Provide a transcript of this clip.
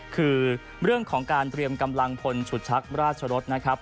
คือเรื่องของการเตรียมกำลังพลฉุดชักราชรสนะครับ